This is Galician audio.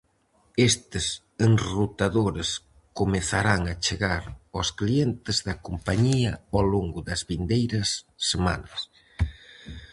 Estes enrutadores comezarán a chegar aos clientes da compañía ao longo das vindeiras semanas.